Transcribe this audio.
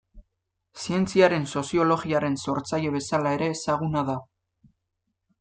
Zientziaren soziologiaren sortzaile bezala ere ezaguna da.